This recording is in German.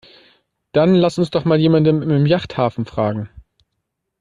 Dann lass uns doch jemanden im Yachthafen fragen.